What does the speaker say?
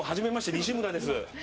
西村です。